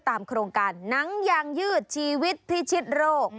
โครงการหนังยางยืดชีวิตพิชิตโรค